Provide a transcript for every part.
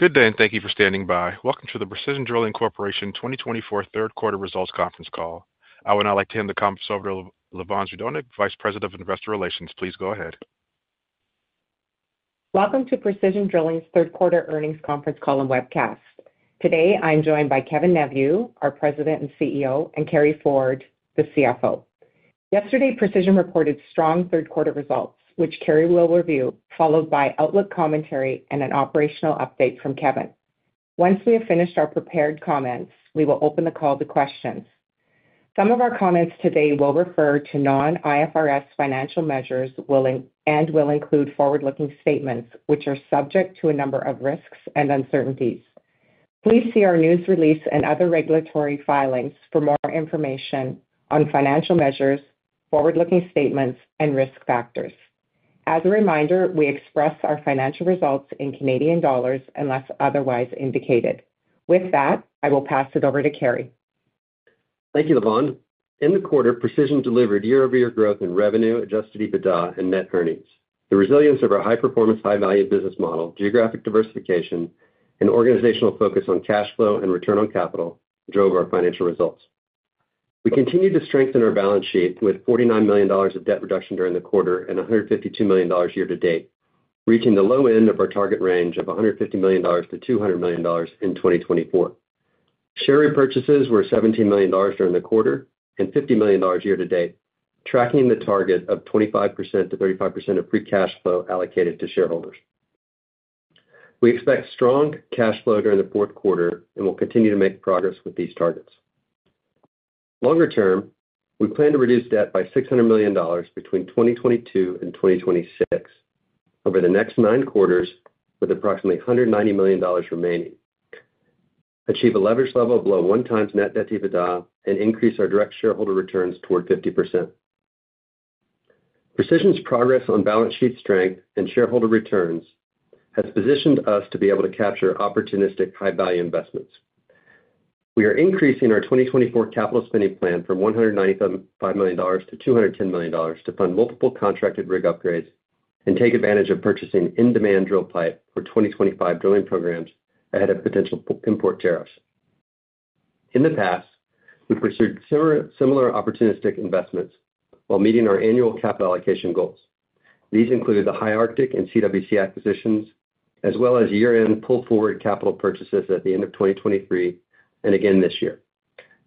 Good day, and thank you for standing by. Welcome to the Precision Drilling Corporation 2024 Q3 Results Conference Call. I would now like to hand the conference over to Lavonne Zdunich, Vice President of Investor Relations. Please go ahead. Welcome to Precision Drilling's Q3 Earnings Conference Call and Webcast. Today, I'm joined by Kevin Neveu, our President and CEO, and Carey Ford, the CFO. Yesterday, Precision reported strong Q3 results, which Carey will review, followed by outlook commentary and an operational update from Kevin. Once we have finished our prepared comments, we will open the call to questions. Some of our comments today will refer to non-IFRS financial measures and will include forward-looking statements, which are subject to a number of risks and uncertainties. Please see our news release and other regulatory filings for more information on financial measures, forward-looking statements, and risk factors. As a reminder, we express our financial results in Canadian dollars unless otherwise indicated. With that, I will pass it over to Carey. Thank you, Lavonne. In the quarter, Precision delivered year-over-year growth in revenue, Adjusted EBITDA, and net earnings. The resilience of our high-performance, high-value business model, geographic diversification, and organizational focus on cash flow and return on capital drove our financial results. We continue to strengthen our balance sheet with 49 million dollars of debt reduction during the quarter and 152 million dollars year-to-date, reaching the low end of our target range of 150 million-200 million dollars in 2024. Share repurchases were 17 million dollars during the quarter and 50 million dollars year-to-date, tracking the target of 25%-35% of free cash flow allocated to shareholders. We expect strong cash flow during the Q4 and will continue to make progress with these targets. Longer term, we plan to reduce debt by 600 million dollars between 2022 and 2026 over the next nine quarters, with approximately 190 million dollars remaining, achieve a leverage level below 1x net debt to EBITDA, and increase our direct shareholder returns toward 50%. Precision's progress on balance sheet strength and shareholder returns has positioned us to be able to capture opportunistic, high-value investments. We are increasing our 2024 capital spending plan from 195 million dollars to 210 million dollars to fund multiple contracted rig upgrades and take advantage of purchasing in-demand drill pipe for 2025 drilling programs ahead of potential import tariffs. In the past, we pursued similar opportunistic investments while meeting our annual capital allocation goals. These included the High Arctic and CWC acquisitions, as well as year-end pull-forward capital purchases at the end of 2023 and again this year.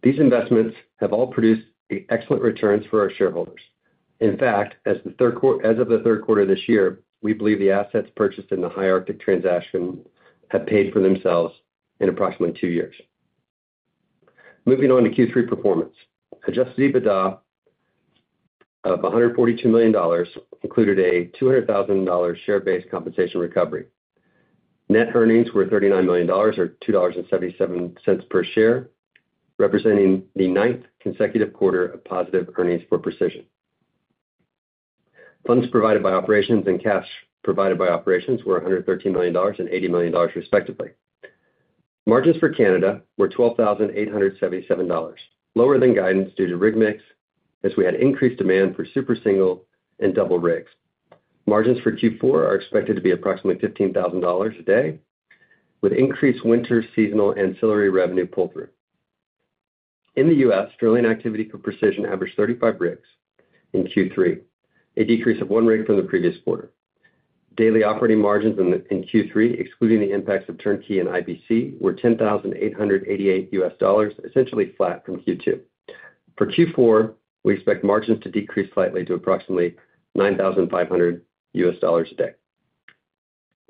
These investments have all produced excellent returns for our shareholders. In fact, as of the Q3 of this year, we believe the assets purchased in the High Arctic transaction have paid for themselves in approximately two years. Moving on to Q3 performance, Adjusted EBITDA of 142 million dollars included a 200,000 dollars share-based compensation recovery. Net earnings were 39 million dollars, or 2.77 dollars per share, representing the ninth consecutive quarter of positive earnings for Precision. Funds provided by operations and cash provided by operations were 113 million dollars and 80 million dollars, respectively. Margins for Canada were 12,877 dollars, lower than guidance due to rig mix, as we had increased demand for Super Single and double rigs. Margins for Q4 are expected to be approximately 15,000 dollars a day, with increased winter seasonal ancillary revenue pull-through. In the US, drilling activity for Precision averaged 35 rigs in Q3, a decrease of one rig from the previous quarter. Daily operating margins in Q3, excluding the impacts of turnkey and IBC, were $10,888, essentially flat from Q2. For Q4, we expect margins to decrease slightly to approximately $9,500 a day.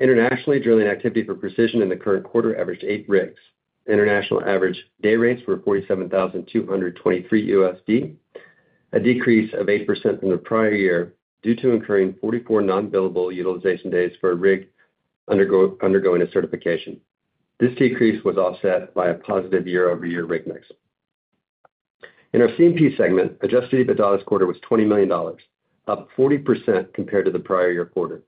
Internationally, drilling activity for Precision in the current quarter averaged eight rigs. International average day rates were $47,223, a decrease of 8% from the prior year due to incurring 44 non-billable utilization days for a rig undergoing a certification. This decrease was offset by a positive year-over-year rig mix. In our C&P segment, adjusted EBITDA this quarter was $20 million, up 40% compared to the prior year quarter.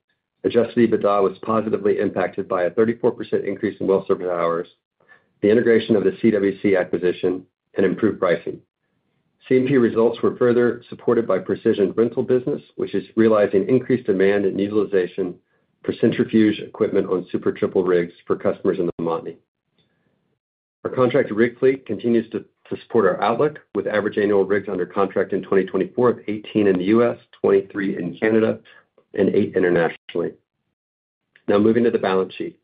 Adjusted EBITDA was positively impacted by a 34% increase in well-service hours, the integration of the CWC acquisition, and improved pricing. C&P results were further supported by Precision's rental business, which is realizing increased demand and utilization for centrifuge equipment on Super Triple rigs for customers in the month. Our contract rig fleet continues to support our outlook, with average annual rigs under contract in 2024 of 18 in the U.S., 23 in Canada, and eight internationally. Now, moving to the balance sheet.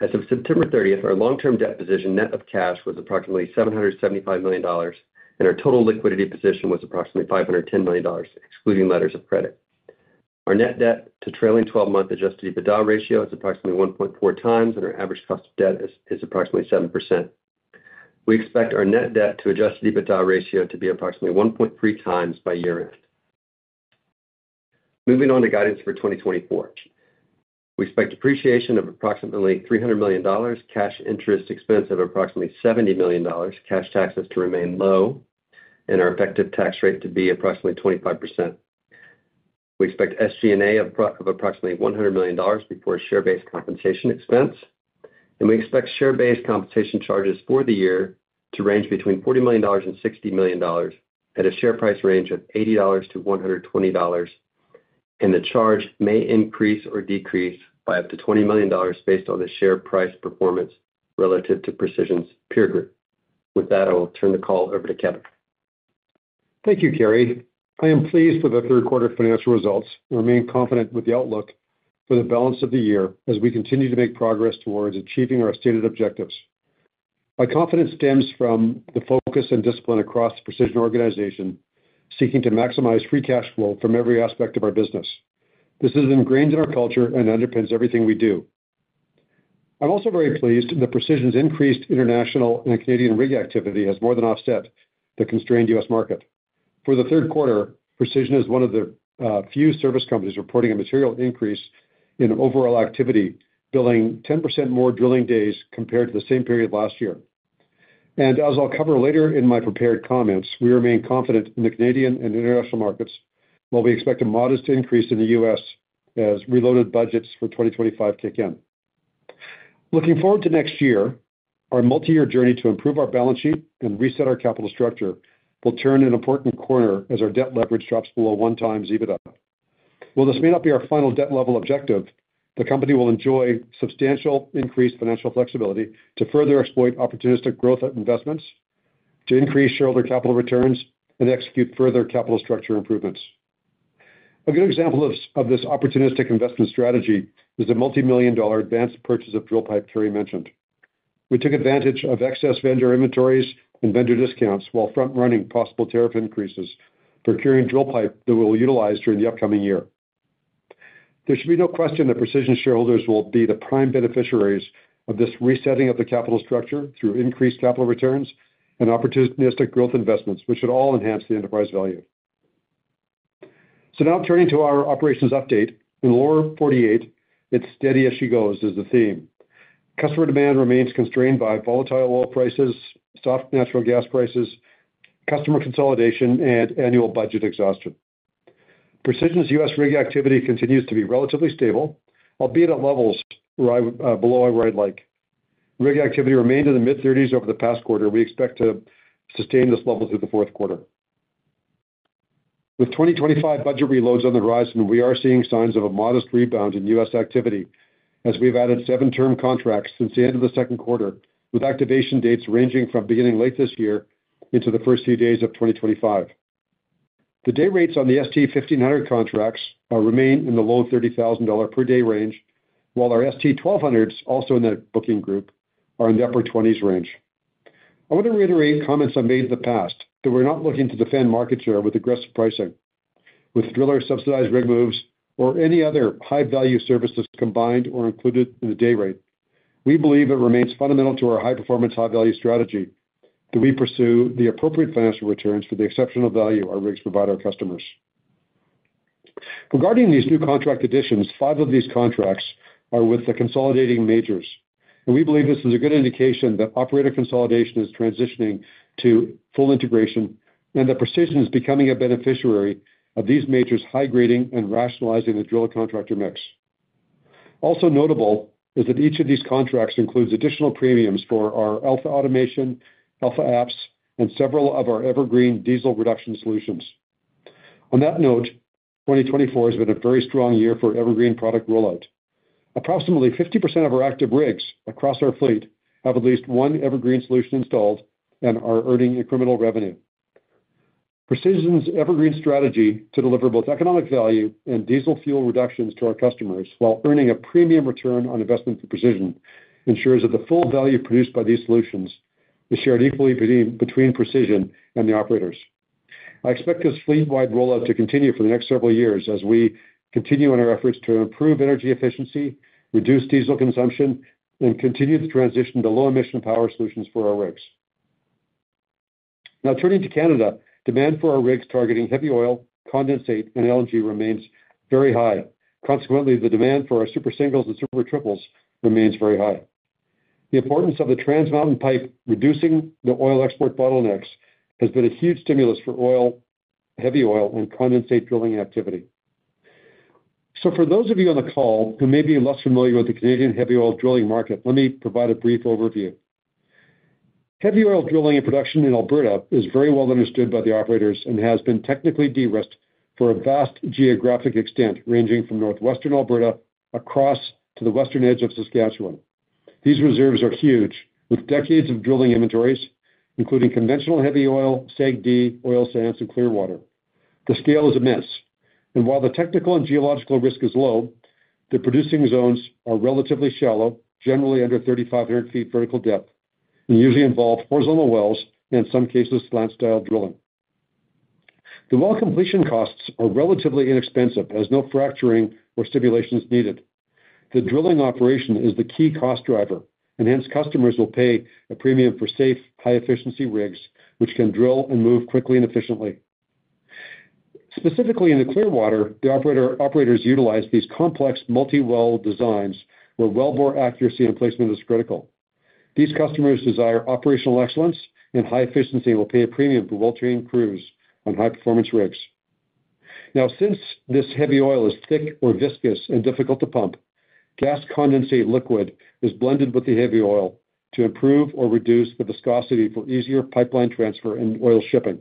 As of September 30th, our long-term debt position net of cash was approximately 775 million dollars, and our total liquidity position was approximately 510 million dollars, excluding letters of credit. Our net debt to trailing 12-month adjusted EBITDA ratio is approximately 1.4 times, and our average cost of debt is approximately 7%. We expect our net debt to adjusted EBITDA ratio to be approximately 1.3 times by year-end. Moving on to guidance for 2024, we expect depreciation of approximately 300 million dollars, cash interest expense of approximately 70 million dollars, cash taxes to remain low, and our effective tax rate to be approximately 25%. We expect SG&A of approximately 100 million dollars before share-based compensation expense, and we expect share-based compensation charges for the year to range between 40 million dollars and 60 million dollars at a share price range of 80 dollars to 120 dollars, and the charge may increase or decrease by up to 20 million dollars based on the share price performance relative to Precision's peer group. With that, I will turn the call over to Kevin. Thank you, Carey. I am pleased with our Q3 financial results and remain confident with the outlook for the balance of the year as we continue to make progress towards achieving our stated objectives. My confidence stems from the focus and discipline across the Precision organization, seeking to maximize free cash flow from every aspect of our business. This is ingrained in our culture and underpins everything we do. I'm also very pleased that Precision's increased international and Canadian rig activity has more than offset the constrained U.S. market. For the Q3, Precision is one of the few service companies reporting a material increase in overall activity, billing 10% more drilling days compared to the same period last year. As I'll cover later in my prepared comments, we remain confident in the Canadian and international markets, while we expect a modest increase in the U.S. as reloaded budgets for 2025 kick in. Looking forward to next year, our multi-year journey to improve our balance sheet and reset our capital structure will turn an important corner as our debt leverage drops below one times EBITDA. While this may not be our final debt-level objective, the company will enjoy substantial increased financial flexibility to further exploit opportunistic growth of investments, to increase shareholder capital returns, and execute further capital structure improvements. A good example of this opportunistic investment strategy is the multi-million dollar advanced purchase of drill pipe Carey mentioned. We took advantage of excess vendor inventories and vendor discounts while front-running possible tariff increases, procuring drill pipe that we will utilize during the upcoming year. There should be no question that Precision shareholders will be the prime beneficiaries of this resetting of the capital structure through increased capital returns and opportunistic growth investments, which should all enhance the enterprise value. So now turning to our operations update, in Lower 48, "It's steady as she goes," is the theme. Customer demand remains constrained by volatile oil prices, soft natural gas prices, customer consolidation, and annual budget exhaustion. Precision's U.S. rig activity continues to be relatively stable, albeit at levels below where I'd like. Rig activity remained in the mid-30s over the past quarter. We expect to sustain this level through the Q4. With 2025 budget reloads on the horizon, we are seeing signs of a modest rebound in U.S. activity as we have added seven term contracts since the end of the Q2, with activation dates ranging from beginning late this year into the first few days of 2025. The day rates on the ST 1500 contracts remain in the low $30,000 per day range, while our ST 1200s, also in the booking group, are in the upper 20s range. I want to reiterate comments I've made in the past that we're not looking to defend market share with aggressive pricing, with driller-subsidized rig moves, or any other high-value services combined or included in the day rate. We believe it remains fundamental to our high-performance, high-value strategy that we pursue the appropriate financial returns for the exceptional value our rigs provide our customers. Regarding these new contract additions, five of these contracts are with the consolidating majors, and we believe this is a good indication that operator consolidation is transitioning to full integration and that Precision is becoming a beneficiary of these majors' high grading and rationalizing the drill contractor mix. Also notable is that each of these contracts includes additional premiums for our AlphaAutomation, AlphaApps, and several of our Evergreen diesel reduction solutions. On that note, 2024 has been a very strong year for Evergreen product rollout. Approximately 50% of our active rigs across our fleet have at least one Evergreen solution installed and are earning incremental revenue. Precision's Evergreen strategy to deliver both economic value and diesel fuel reductions to our customers while earning a premium return on investment for Precision ensures that the full value produced by these solutions is shared equally between Precision and the operators. I expect this fleet-wide rollout to continue for the next several years as we continue on our efforts to improve energy efficiency, reduce diesel consumption, and continue the transition to low-emission power solutions for our rigs. Now, turning to Canada, demand for our rigs targeting heavy oil, condensate, and LNG remains very high. Consequently, the demand for our Super Singles and Super Triples remains very high. The importance of the Trans Mountain Pipeline reducing the oil export bottlenecks has been a huge stimulus for oil, heavy oil, and condensate drilling activity. So for those of you on the call who may be less familiar with the Canadian heavy oil drilling market, let me provide a brief overview. Heavy oil drilling and production in Alberta is very well understood by the operators and has been technically de-risked for a vast geographic extent ranging from northwestern Alberta across to the western edge of Saskatchewan. These reserves are huge, with decades of drilling inventories, including conventional heavy oil, SAGD, oil sands, and Clearwater. The scale is immense, and while the technical and geological risk is low, the producing zones are relatively shallow, generally under 3,500 feet vertical depth, and usually involve horizontal wells and, in some cases, slant-style drilling. The well completion costs are relatively inexpensive as no fracturing or stimulation is needed. The drilling operation is the key cost driver, and hence customers will pay a premium for safe, high-efficiency rigs, which can drill and move quickly and efficiently. Specifically in the Clearwater, the operators utilize these complex multi-well designs where well bore accuracy and placement is critical. These customers desire operational excellence and high efficiency and will pay a premium for well-trained crews on high-performance rigs. Now, since this heavy oil is thick or viscous and difficult to pump, gas condensate liquid is blended with the heavy oil to improve or reduce the viscosity for easier pipeline transfer and oil shipping.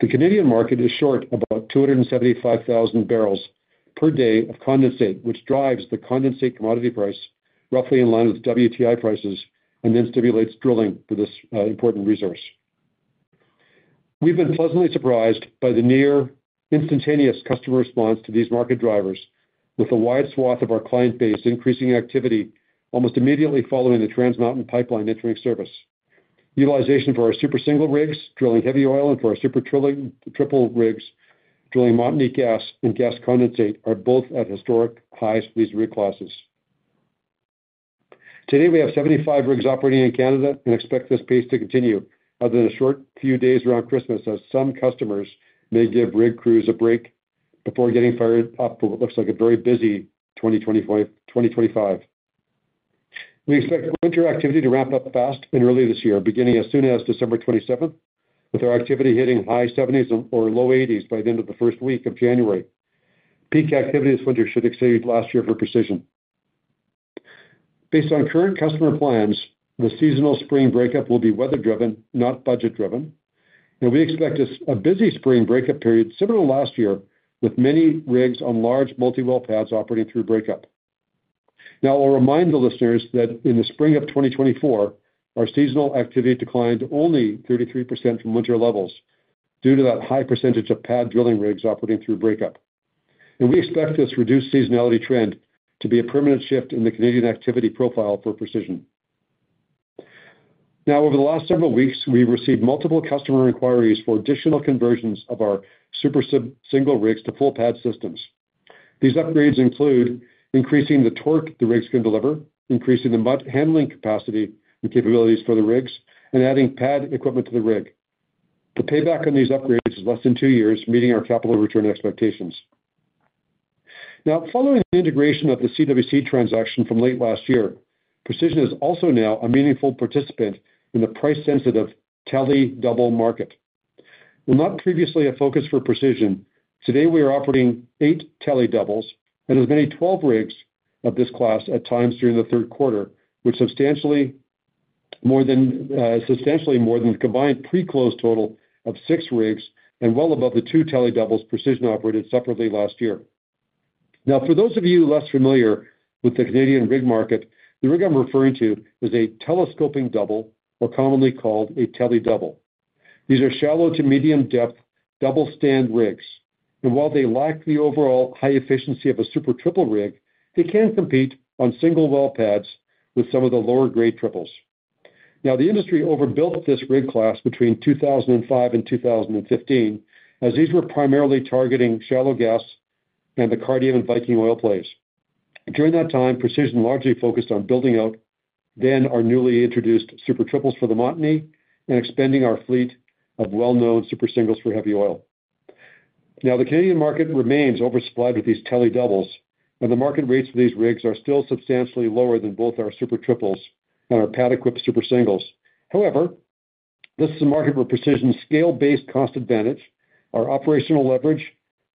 The Canadian market is short about 275,000 barrels per day of condensate, which drives the condensate commodity price roughly in line with WTI prices and then stimulates drilling for this important resource. We've been pleasantly surprised by the near instantaneous customer response to these market drivers, with a wide swath of our client base increasing activity almost immediately following the Trans Mountain Pipeline entering service. Utilization for our Super Single rigs drilling heavy oil and for our Super Triple rigs drilling Montney gas and gas condensate are both at historic highs for these rig classes. Today, we have 75 rigs operating in Canada and expect this pace to continue other than a short few days around Christmas, as some customers may give rig crews a break before getting fired up for what looks like a very busy 2025. We expect winter activity to ramp up fast and early this year, beginning as soon as December 27th, with our activity hitting high 70s or low 80s by the end of the first week of January. Peak activity this winter should exceed last year for Precision. Based on current customer plans, the seasonal spring breakup will be weather-driven, not budget-driven, and we expect a busy spring breakup period similar to last year, with many rigs on large multi-well pads operating through breakup. Now, I'll remind the listeners that in the spring of 2024, our seasonal activity declined only 33% from winter levels due to that high percentage of pad drilling rigs operating through breakup, and we expect this reduced seasonality trend to be a permanent shift in the Canadian activity profile for Precision. Now, over the last several weeks, we've received multiple customer inquiries for additional conversions of our Super Single rigs to full pad systems. These upgrades include increasing the torque the rigs can deliver, increasing the handling capacity and capabilities for the rigs, and adding pad equipment to the rig. The payback on these upgrades is less than two years, meeting our capital return expectations. Now, following the integration of the CWC transaction from late last year, Precision is also now a meaningful participant in the price-sensitive Tele Double market. While not previously a focus for Precision, today we are operating eight Tele Doubles and as many as 12 rigs of this class at times during the Q3, which substantially more than the combined pre-close total of six rigs and well above the two Tele Doubles Precision operated separately last year. Now, for those of you less familiar with the Canadian rig market, the rig I'm referring to is a telescoping double, or commonly called a Tele Doubles. These are shallow to medium-depth double stand rigs, and while they lack the overall high efficiency of a Super Triple rig, they can compete on single well pads with some of the lower-grade triples. Now, the industry overbuilt this rig class between 2005 and 2015, as these were primarily targeting shallow gas and the Cardium and Viking oil plays. During that time, Precision largely focused on building out then our newly introduced Super Triples for the Montney and expanding our fleet of well-known Super Singles for heavy oil. Now, the Canadian market remains oversupplied with these Tele Doubles, and the market rates for these rigs are still substantially lower than both our Super Triples and our pad-equipped Super Singles. However, this is a market where Precision's scale-based cost advantage, our operational leverage,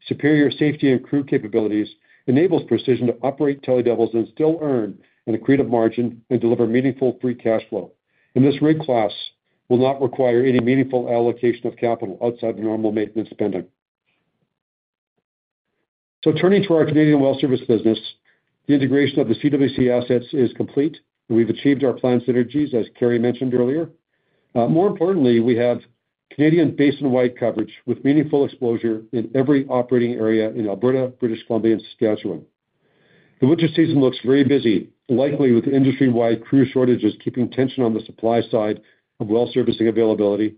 superior safety and crew capabilities enables Precision to operate Tele Doubles and still earn an accretive margin and deliver meaningful free cash flow. This rig class will not require any meaningful allocation of capital outside of normal maintenance spending. Turning to our Canadian well service business, the integration of the CWC assets is complete, and we've achieved our planned synergies, as Carey mentioned earlier. More importantly, we have Canadian basin-wide coverage with meaningful exposure in every operating area in Alberta, British Columbia, and Saskatchewan. The winter season looks very busy, likely with industry-wide crew shortages keeping tension on the supply side of well servicing availability.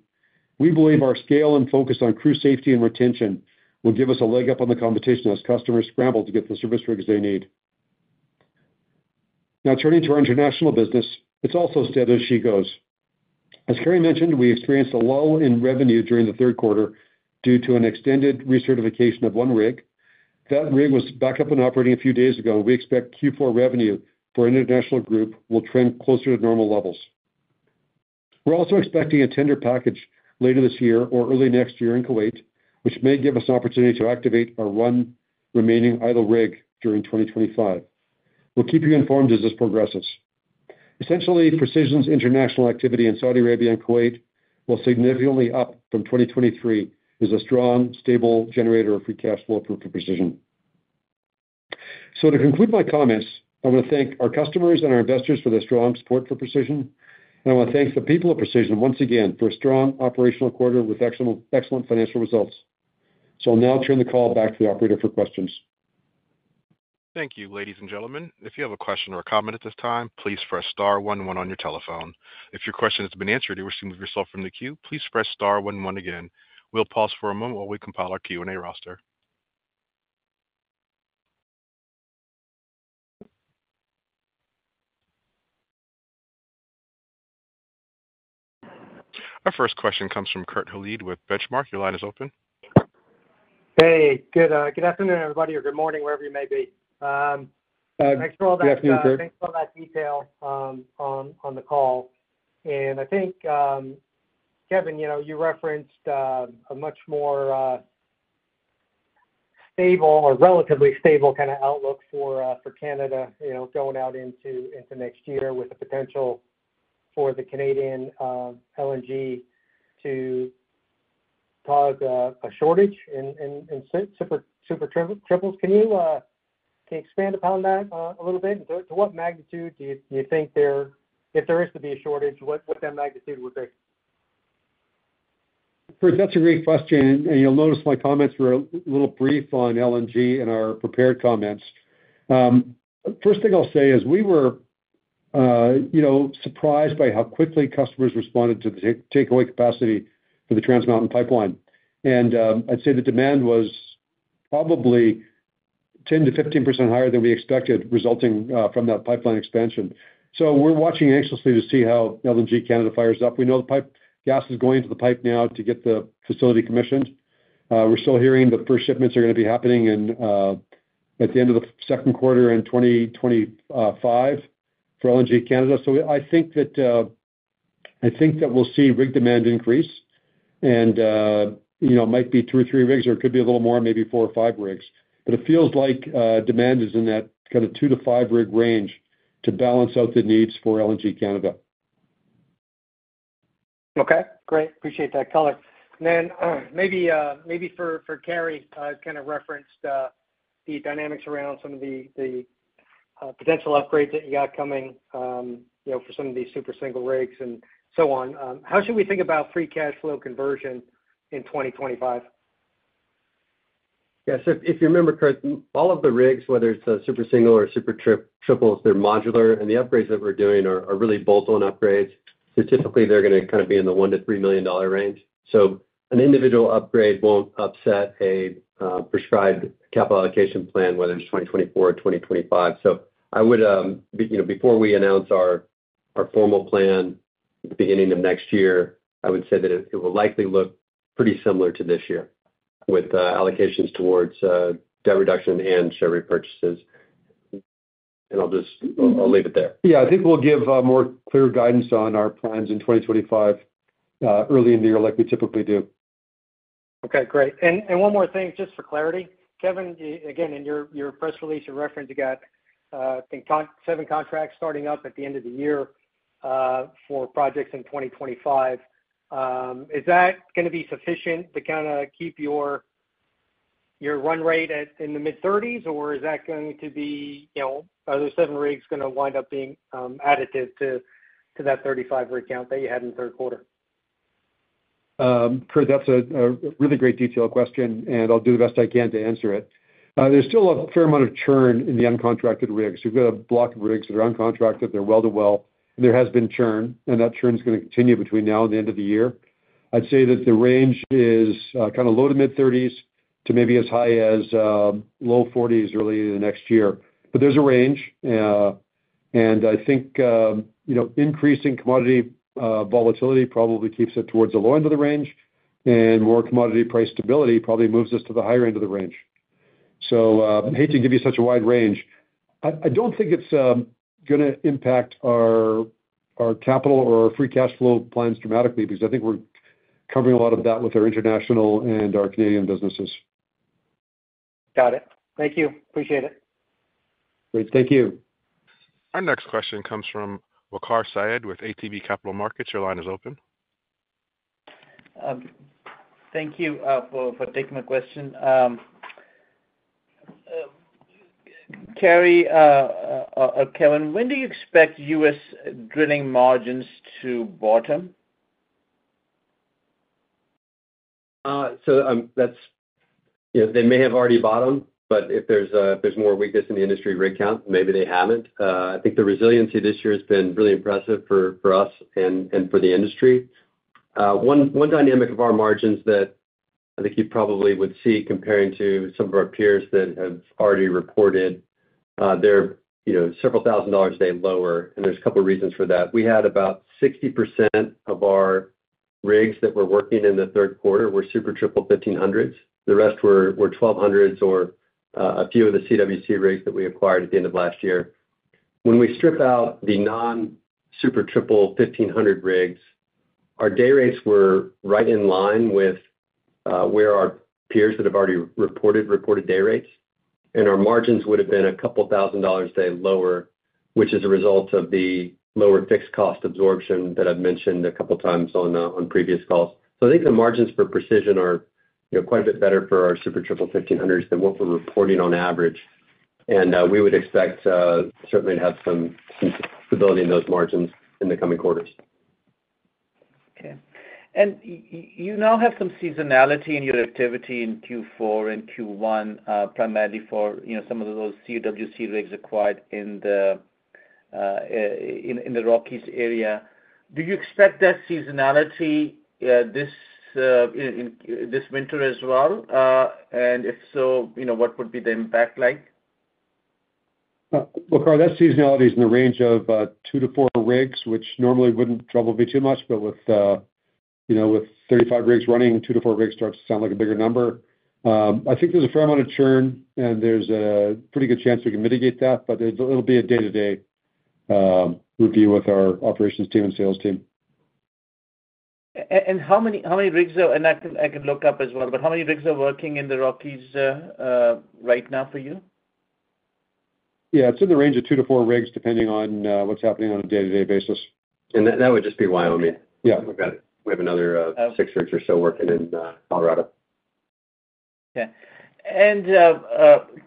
We believe our scale and focus on crew safety and retention will give us a leg up on the competition as customers scramble to get the service rigs they need. Now, turning to our international business, it's also steady as she goes. As Carey mentioned, we experienced a lull in revenue during the Q3 due to an extended recertification of one rig. That rig was back up and operating a few days ago, and we expect Q4 revenue for an international group will trend closer to normal levels. We're also expecting a tender package later this year or early next year in Kuwait, which may give us an opportunity to activate or run remaining idle rig during 2025. We'll keep you informed as this progresses. Essentially, Precision's international activity in Saudi Arabia and Kuwait will significantly up from 2023 as a strong, stable generator of free cash flow for Precision. So to conclude my comments, I want to thank our customers and our investors for the strong support for Precision, and I want to thank the people of Precision once again for a strong operational quarter with excellent financial results. So I'll now turn the call back to the operator for questions. Thank you, ladies and gentlemen. If you have a question or a comment at this time, please press star 11 on your telephone. If your question has been answered or you wish to move yourself from the queue, please press star 11 again. We'll pause for a moment while we compile our Q&A roster. Our first question comes from Kurt Hallead with Benchmark. Your line is open. Hey, good afternoon, everybody, or good morning, wherever you may be. Thanks for all that. Good afternoon, Kurt. Thanks for all that detail on the call. I think, Kevin, you referenced a much more stable or relatively stable kind of outlook for Canada going out into next year with the potential for the LNG Canada to cause a shortage in super triples. Can you expand upon that a little bit? To what magnitude do you think they're—if there is to be a shortage, what that magnitude would be? Kurt, that's a great question, and you'll notice my comments were a little brief on LNG and our prepared comments. First thing I'll say is we were surprised by how quickly customers responded to the takeaway capacity for the Trans Mountain Pipeline. I'd say the demand was probably 10%-15% higher than we expected, resulting from that pipeline expansion. We're watching anxiously to see how LNG Canada fires up. We know the gas is going to the pipe now to get the facility commissioned. We're still hearing that the first shipments are going to be happening at the end of the Q2 in 2025 for LNG Canada. So I think that we'll see rig demand increase, and it might be two or three rigs, or it could be a little more, maybe four or five rigs. But it feels like demand is in that kind of two to five rig range to balance out the needs for LNG Canada. Okay. Great. Appreciate that, color. And then maybe for Carey, I kind of referenced the dynamics around some of the potential upgrades that you got coming for some of these Super Single rigs and so on. How should we think about Free Cash Flow conversion in 2025? Yes. If you remember, Kurt, all of the rigs, whether it's a Super Single or a Super Triple, they're modular, and the upgrades that we're doing are really bolt-on upgrades. So typically, they're going to kind of be in the $1 million-$3 million range. So an individual upgrade won't upset a prescribed capital allocation plan, whether it's 2024 or 2025. So I would, before we announce our formal plan at the beginning of next year, I would say that it will likely look pretty similar to this year with allocations towards debt reduction and share repurchases. And I'll leave it there. Yeah. I think we'll give more clear guidance on our plans in 2025, early in the year, like we typically do. Okay. Great. And one more thing, just for clarity. Kevin, again, in your press release you referenced, you got, I think, seven contracts starting up at the end of the year for projects in 2025. Is that going to be sufficient to kind of keep your run rate in the mid-30s, or is that going to be—are those seven rigs going to wind up being additive to that 35 rig count that you had in the Q3? Kurt, that's a really great detailed question, and I'll do the best I can to answer it. There's still a fair amount of churn in the uncontracted rigs. We've got a block of rigs that are uncontracted, they're well to well, and there has been churn, and that churn is going to continue between now and the end of the year. I'd say that the range is kind of low to mid-30s to maybe as high as low 40s early in the next year. But there's a range, and I think increasing commodity volatility probably keeps it towards the low end of the range, and more commodity price stability probably moves us to the higher end of the range. So I hate to give you such a wide range. I don't think it's going to impact our capital or our free cash flow plans dramatically because I think we're covering a lot of that with our international and our Canadian businesses. Got it. Thank you. Appreciate it. Great. Thank you. Our next question comes from Waqar Syed with ATB Capital Markets. Your line is open. Thank you for taking my question. Carey or Kevin, when do you expect U.S. drilling margins to bottom? So they may have already bottomed, but if there's more weakness in the industry rig count, maybe they haven't. I think the resiliency this year has been really impressive for us and for the industry. One dynamic of our margins that I think you probably would see comparing to some of our peers that have already reported, they're several thousand dollars a day lower, and there's a couple of reasons for that. We had about 60% of our rigs that were working in the Q3 were Super Triple 1500s. The rest were 1,200s or a few of the CWC rigs that we acquired at the end of last year. When we strip out the non-Super Triple 1500 rigs, our day rates were right in line with where our peers that have already reported reported day rates, and our margins would have been a couple thousand dollars a day lower, which is a result of the lower fixed cost absorption that I've mentioned a couple of times on previous calls. So I think the margins for Precision are quite a bit better for our Super Triple 1500s than what we're reporting on average, and we would expect certainly to have some stability in those margins in the coming quarters. Okay. And you now have some seasonality in your activity in Q4 and Q1, primarily for some of those CWC rigs acquired in the Rockies area. Do you expect that seasonality this winter as well? And if so, what would be the impact like? Kurt, that seasonality is in the range of two to four rigs, which normally wouldn't trouble me too much, but with 35 rigs running, two to four rigs starts to sound like a bigger number. I think there's a fair amount of churn, and there's a pretty good chance we can mitigate that, but it'll be a day-to-day review with our operations team and sales team. How many rigs are—and I can look up as well—but how many rigs are working in the Rockies right now for you? Yeah. It's in the range of two to four rigs depending on what's happening on a day-to-day basis. That would just be Wyoming. Yeah. We have another six rigs or so working in Colorado. Okay.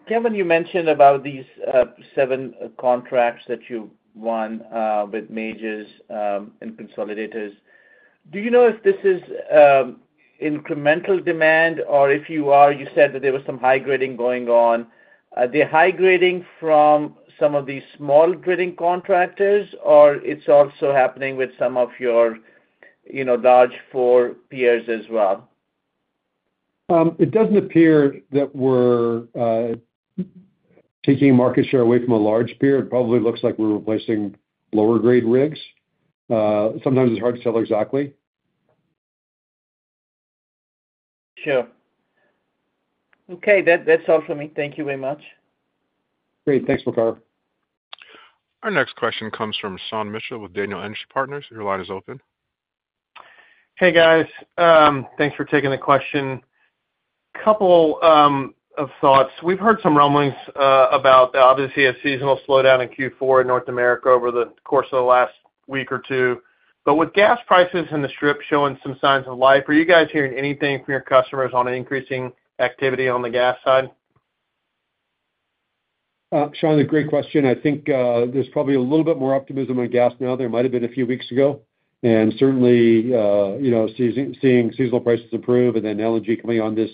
Kevin, you mentioned about these seven contracts that you won with majors and consolidators. Do you know if this is incremental demand, or if you are, you said that there was some high grading going on. Are they high grading from some of these small drilling contractors, or it's also happening with some of your larger peers as well? It doesn't appear that we're taking market share away from a large peer. It probably looks like we're replacing lower-grade rigs. Sometimes it's hard to tell exactly. Sure. Okay. That's all for me. Thank you very much. Great. Thanks, Waqar. Our next question comes from Sean Mitchell with Daniel Energy Partners. Your line is open. Hey, guys. Thanks for taking the question. A couple of thoughts. We've heard some rumblings about, obviously, a seasonal slowdown in Q4 in North America over the course of the last week or two. But with gas prices in the strip showing some signs of life, are you guys hearing anything from your customers on increasing activity on the gas side? Sean, a great question. I think there's probably a little bit more optimism on gas now than there might have been a few weeks ago. And certainly, seeing seasonal prices improve and then LNG coming online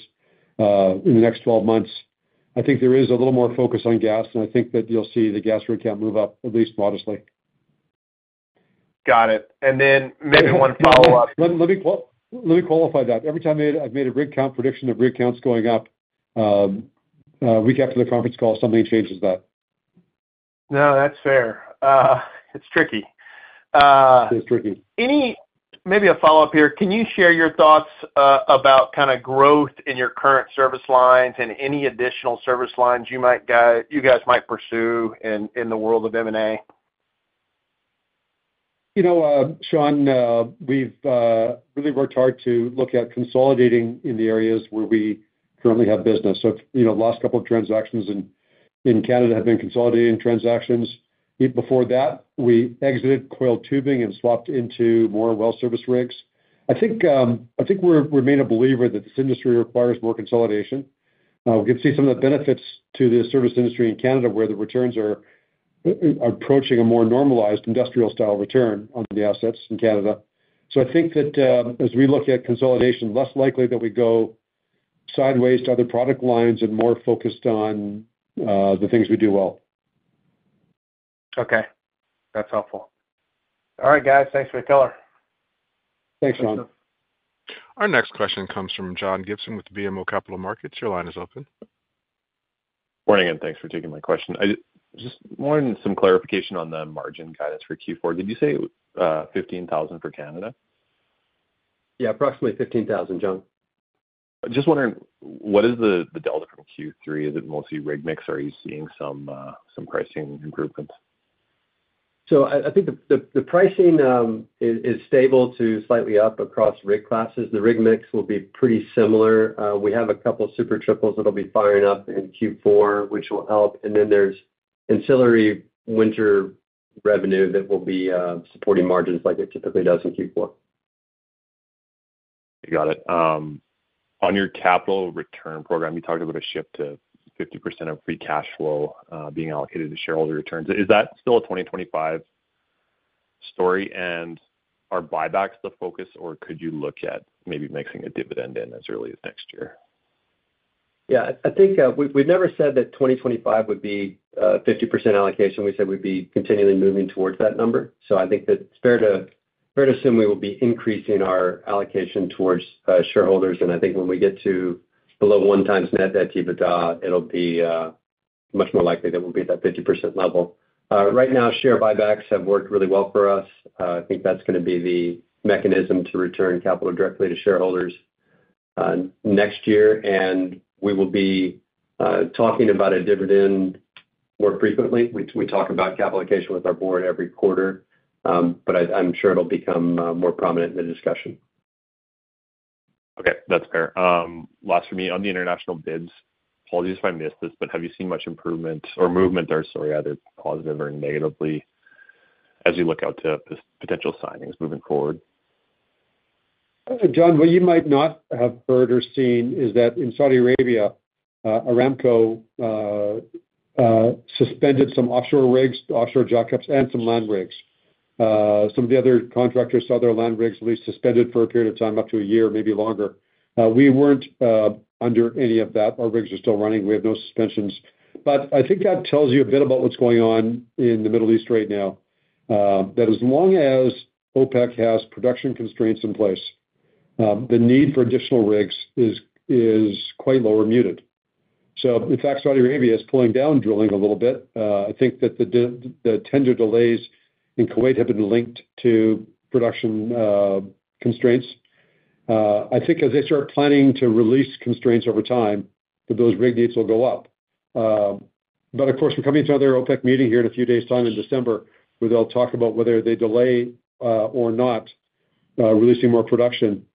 in the next 12 months, I think there is a little more focus on gas, and I think that you'll see the gas rig count move up, at least modestly. Got it. And then maybe one follow-up. Let me qualify that. Every time I've made a rig count prediction, the rig count's going up. A week after the conference call, something changes that. No, that's fair. It's tricky. It is tricky. Maybe a follow-up here. Can you share your thoughts about kind of growth in your current service lines and any additional service lines you guys might pursue in the world of M&A? Sean, we've really worked hard to look at consolidating in the areas where we currently have business. So last couple of transactions in Canada have been consolidating transactions. Before that, we exited coiled tubing and swapped into more well service rigs. I think we're made a believer that this industry requires more consolidation. We can see some of the benefits to the service industry in Canada where the returns are approaching a more normalized industrial-style return on the assets in Canada. So I think that as we look at consolidation, less likely that we go sideways to other product lines and more focused on the things we do well. Okay. That's helpful. All right, guys. Thanks for the color. Thanks, Sean. Our next question comes from John Gibson with BMO Capital Markets. Your line is open. Morning, and thanks for taking my question. Just wanted some clarification on the margin guidance for Q4. Did you say 15,000 for Canada? Yeah, approximately 15,000, John. Just wondering, what is the delta from Q3? Is it mostly rig mix? Are you seeing some pricing improvements? So I think the pricing is stable to slightly up across rig classes. The rig mix will be pretty similar. We have a couple of Super Triples that will be firing up in Q4, which will help. And then there's ancillary winter revenue that will be supporting margins like it typically does in Q4. You got it. On your capital return program, you talked about a shift to 50% of free cash flow being allocated to shareholder returns. Is that still a 2025 story? Are buybacks the focus, or could you look at maybe mixing a dividend in as early as next year? Yeah. I think we've never said that 2025 would be a 50% allocation. We said we'd be continually moving towards that number. So I think that it's fair to assume we will be increasing our allocation towards shareholders. And I think when we get to below one times net debt to EBITDA, it'll be much more likely that we'll be at that 50% level. Right now, share buybacks have worked really well for us. I think that's going to be the mechanism to return capital directly to shareholders next year. And we will be talking about a dividend more frequently. We talk about capital allocation with our board every quarter, but I'm sure it'll become more prominent in the discussion. Okay. That's fair. Last for me, on the international bids, apologies if I missed this, but have you seen much improvement or movement there? So are either positive or negatively as you look out to potential signings moving forward? John, what you might not have heard or seen is that in Saudi Arabia, Aramco suspended some offshore rigs, offshore jackups, and some land rigs. Some of the other contractors, other land rigs, at least suspended for a period of time, up to a year, maybe longer. We weren't under any of that. Our rigs are still running. We have no suspensions. But I think that tells you a bit about what's going on in the Middle East right now. That as long as OPEC has production constraints in place, the need for additional rigs is quite low or muted. So in fact, Saudi Arabia is pulling down drilling a little bit. I think that the tender delays in Kuwait have been linked to production constraints. I think as they start planning to release constraints over time, those rig needs will go up. But of course, we're coming to another OPEC meeting here in a few days' time in December, where they'll talk about whether they delay or not releasing more production.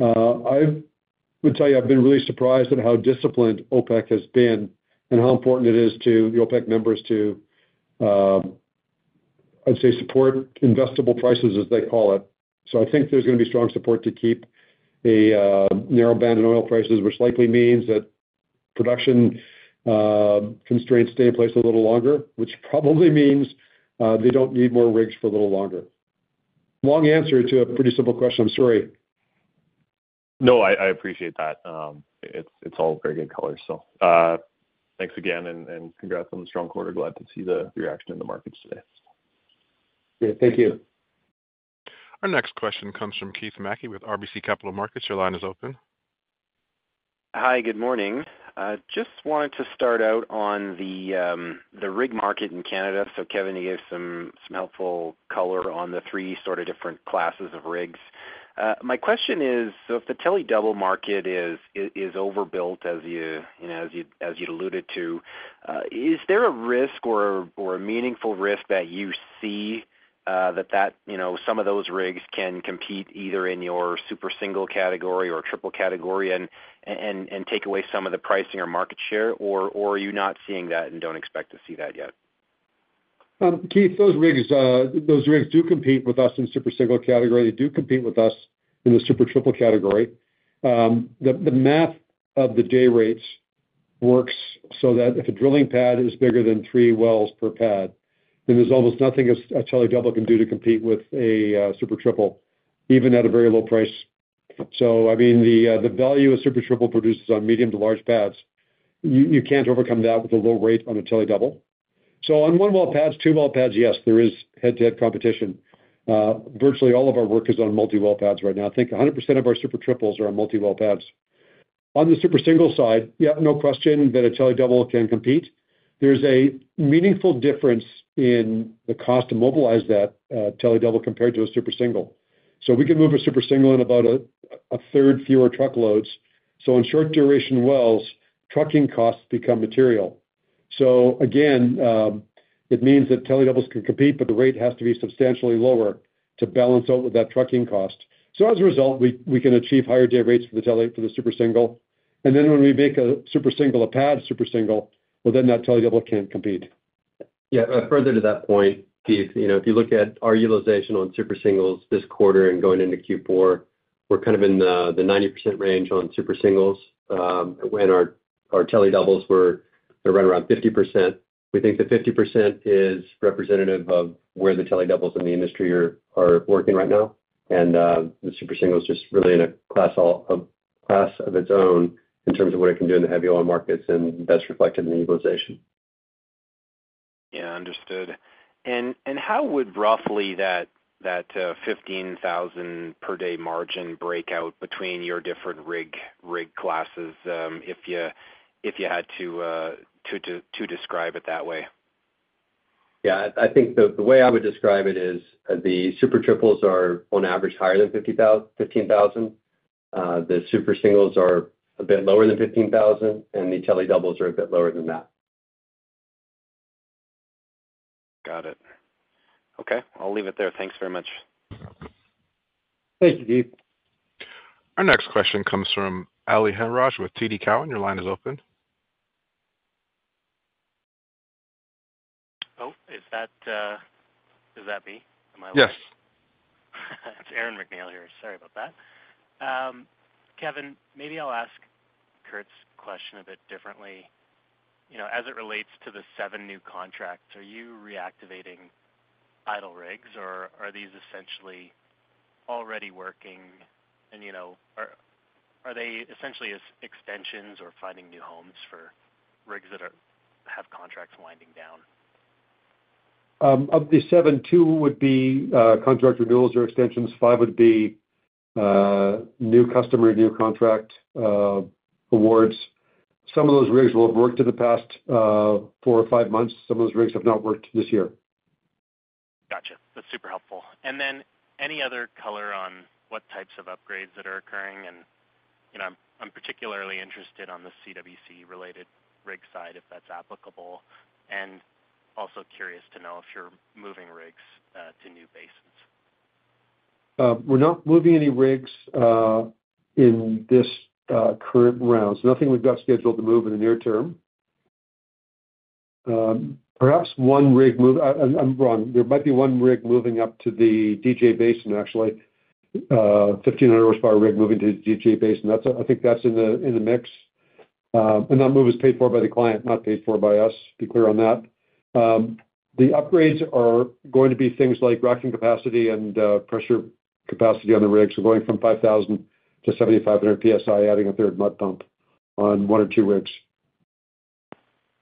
I would tell you I've been really surprised at how disciplined OPEC has been and how important it is to the OPEC members to, I'd say, support investable prices, as they call it. So I think there's going to be strong support to keep a narrow band in oil prices, which likely means that production constraints stay in place a little longer, which probably means they don't need more rigs for a little longer. Long answer to a pretty simple question. I'm sorry. No, I appreciate that. It's all very good color, so. Thanks again, and congrats on the strong quarter. Glad to see the reaction in the markets today. Great. Thank you. Our next question comes from Keith Mackey with RBC Capital Markets. Your line is open. Hi, good morning. Just wanted to start out on the rig market in Canada. So Kevin, you gave some helpful color on the three sort of different classes of rigs. My question is, so if the Tele Double market is overbuilt, as you'd alluded to, is there a risk or a meaningful risk that you see that some of those rigs can compete either in your Super Single category or triple category and take away some of the pricing or market share, or are you not seeing that and don't expect to see that yet? Keith, those rigs do compete with us in Super Single category. They do compete with us in the Super Triple category. The math of the day rates works so that if a drilling pad is bigger than three wells per pad, then there's almost nothing a Tele Double can do to compete with a Super Triple, even at a very low price. So I mean, the value a Super Triple produces on medium to large pads, you can't overcome that with a low rate on a Tele Double. So on one-well pads, two-well pads, yes, there is head-to-head competition. Virtually all of our work is on multi-well pads right now. I think 100% of our Super Triples are on multi-well pads. On the Super Single side, yeah, no question that a Tele Double can compete. There's a meaningful difference in the cost to mobilize that Tele Double compared to a Super Single So we can move a Super Single in about a third fewer truckloads. So in short duration wells, trucking costs become material. So again, it means that Telescoping Doubles can compete, but the rate has to be substantially lower to balance out with that trucking cost. So as a result, we can achieve higher day rates for the Super Single. And then when we make a Super Single a pad Super Single, well, then that Telescoping Double can't compete. Yeah. Further to that point, Keith, if you look at our utilization on Super Singles this quarter and going into Q4, we're kind of in the 90% range on Super Singles when our Telescoping Doubles were around 50%. We think the 50% is representative of where the Telescoping Doubles in the industry are working right now. And the Super Single is just really in a class of its own in terms of what it can do in the heavy oil markets and best reflected in the utilization. Yeah. Understood. And how would roughly that 15,000 per day margin break out between your different rig classes if you had to describe itthat way? Yeah. I think the way I would describe it is the Super Triples are on average higher than 15,000. The Super Singles are a bit lower than 15,000, and the Telescoping Doubles are a bit lower than that. Got it. Okay. I'll leave it there. Thanks very much. Thank you, Keith. Our next question comes from Aaron MacNeil with TD Cowen. Your line is open. Oh, is that me? Am I? Yes. It's Aaron MacNeil here. Sorry about that. Kevin, maybe I'll ask Kurt's question a bit differently. As it relates to the seven new contracts, are you reactivating idle rigs, or are these essentially already working? And are they essentially extensions or finding new homes for rigs that have contracts winding down? Of the seven, two would be contract renewals or extensions. Five would be new customer, new contract awards. Some of those rigs will have worked in the past four or five months. Some of those rigs have not worked this year. Gotcha. That's super helpful. And then any other color on what types of upgrades that are occurring? And I'm particularly interested on the CWC-related rig side, if that's applicable. And also curious to know if you're moving rigs to new basins. We're not moving any rigs in this current round. So nothing we've got scheduled to move in the near term. Perhaps one rig moving. I'm wrong. There might be one rig moving up to the DJ Basin, actually. 1,500 horsepower rig moving to the DJ Basin. I think that's in the mix. And that move is paid for by the client, not paid for by us. Be clear on that. The upgrades are going to be things like racking capacity and pressure capacity on the rigs. We're going from 5,000-7,500 PSI, adding a third mud pump on one or two rigs.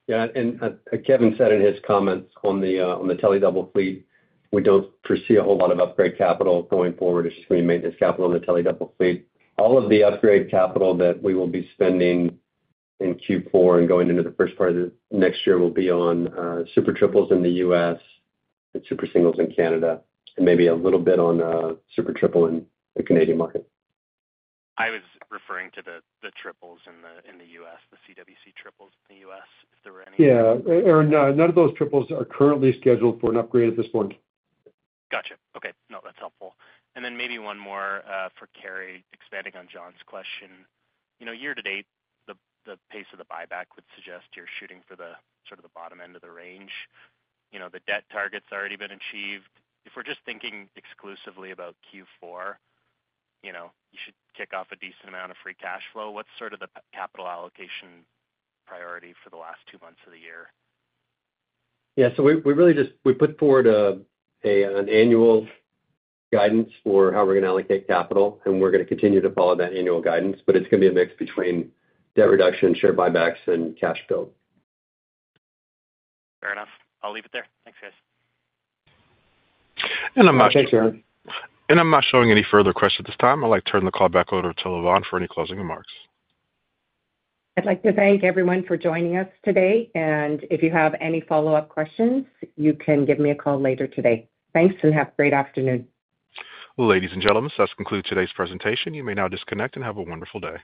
Yeah. And Kevin said in his comments on the Tele Double fleet, we don't foresee a whole lot of upgrade capital going forward. It's just going to be maintenance capital on the Tele Double fleet. All of the upgrade capital that we will be spending in Q4 and going into the first part of next year will be on Super Triples in the U.S. and Super Singles in Canada, and maybe a little bit on Super Triple in the Canadian market. I was referring to the triples in the U.S., the CWC triples in the U.S., if there were any. Yeah. None of those triples are currently scheduled for an upgrade at this point. Gotcha. Okay. No, that's helpful, and then maybe one more for Carey, expanding on John's question. Year to date, the pace of the buyback would suggest you're shooting for the sort of the bottom end of the range. The debt target's already been achieved. If we're just thinking exclusively about Q4, you should kick off a decent amount of free cash flow. What's sort of the capital allocation priority for the last two months of the year? Yeah. So we really just, we put forward an annual guidance for how we're going to allocate capital, and we're going to continue to follow that annual guidance. But it's going to be a mix between debt reduction, share buybacks, and cash build. Fair enough. I'll leave it there. Thanks, guys. And I'm not showing any further questions at this time. I'd like to turn the call back over to Lavonne for any closing remarks. I'd like to thank everyone for joining us today. And if you have any follow-up questions, you can give me a call later today. Thanks, and have a great afternoon. Well, ladies and gentlemen, so that's concluded today's presentation. You may now disconnect and have a wonderful day.